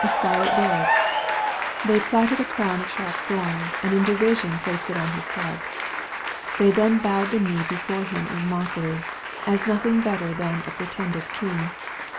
acarlet robe. They platted a crown of sharp thorns^ and in derision placed it on His head. They then bowed the knee before Him in mockery, as nothing better than a pretended king.